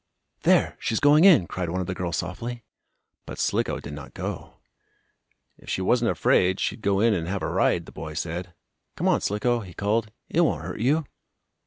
"There! She's going in!" cried one of the girls softly. But Slicko did not go. "If she wasn't afraid, she'd go in and have a ride," the boy said. "Come on, Slicko," he called, "it won't hurt you."